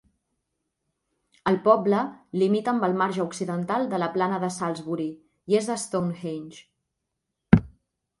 El poble limita amb el marge occidental de la plana de Salisbury, i és de Stonehenge.